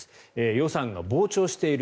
予算が膨張している。